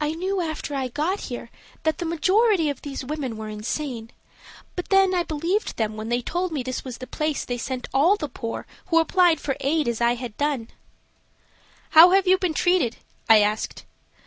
"I knew after I got here that the majority of these women were insane, but then I believed them when they told me this was the place they sent all the poor who applied for aid as I had done." "How have you been treated?" I asked.